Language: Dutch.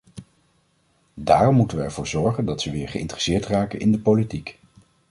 Daarom moeten we ervoor zorgen dat ze weer geïnteresseerd raken in de politiek.